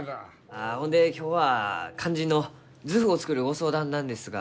あほんで今日は肝心の図譜を作るご相談なんですが。